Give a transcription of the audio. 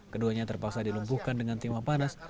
keduanya terpaksa dilumpuhkan dengan timah panas